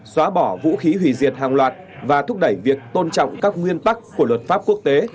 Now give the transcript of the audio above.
xóa bỏ vũ khí hủy diệt hàng loạt và thúc đẩy việc tôn trọng các nguyên tắc của luật pháp quốc tế